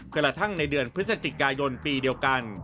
กระทั่งในเดือนพฤศจิกายนปีเดียวกัน